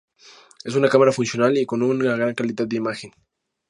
Es una cámara funcional y con una gran calidad de imagen.